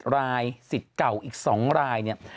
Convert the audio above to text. ๑๑รายสิทธิ์เก่าอีก๒ราย